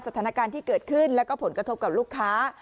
สถานการณ์ที่เกิดขึ้นแล้วก็ผลกระทบกับลูกค้า